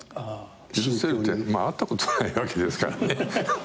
許せるってまあ会ったことないわけですからね。